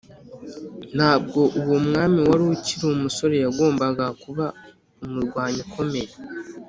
ntabwo uwo mwami wari ukiri umusore yagombaga kuba umurwanyi ukomeye ,